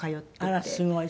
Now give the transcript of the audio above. あらすごい。